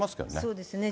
そうですね。